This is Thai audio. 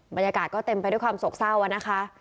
บรรยากาศก็เต็มไปด้วยความโศกเศร้านะคะ